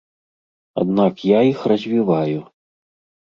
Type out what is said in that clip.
Аднак я іх развіваю.